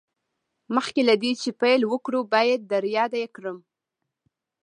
مخکې له دې چې پیل وکړو باید در یاده کړم